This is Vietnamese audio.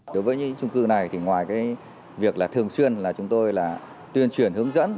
đối với những trung cư này thì ngoài việc là thường xuyên là chúng tôi là tuyên truyền hướng dẫn